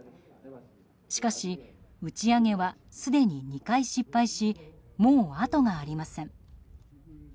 しかし、打ち上げはすでに２回失敗しもう、あとがありません。